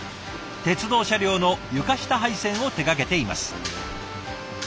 鉄道車両の床下配線を手がけています。